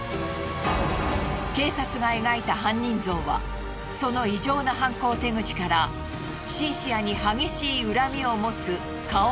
警察が描いた犯人像はその異常な犯行手口からシンシアに激しい恨みを持つ顔見知り。